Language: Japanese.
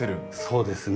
そうですね。